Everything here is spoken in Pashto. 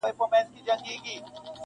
خو په ونه کي تر دوی دواړو کوچنی یم-